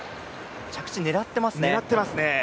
着地、狙ってますね。